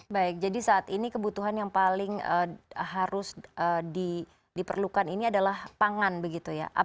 baik jadi saat ini kebutuhan yang paling harus diperlukan ini adalah pangan begitu ya